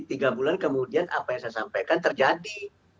tiga bulan kemudian apa yang saya sampaikan terjadi